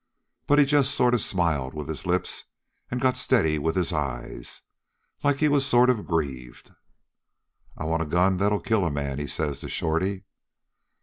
But he just sort of smiled with his lips and got steady with his eyes, like he was sort of grieved. "'I want a gun that'll kill a man,' he says to Shorty.